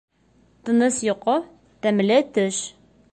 Тыныс йоҡо, тәмле төш!